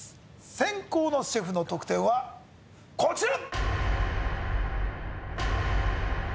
先攻のシェフの得点はこちら！